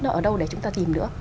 nó ở đâu để chúng ta tìm nữa